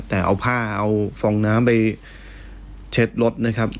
แต่เอาผ้าเอาฟองน้ำไปเช็ดรถนะครับ